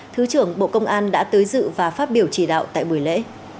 thứ trưởng bộ công an đã tới dự và phát biểu chỉ đạo tại buổi lễ